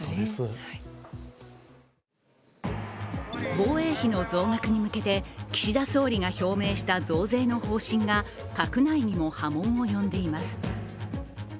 防衛費の増額に向けて岸田総理が表明した増税の方針が閣内にも波紋を呼んでいます。